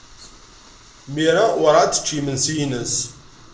Mira werɛad tecci imensi-nnes.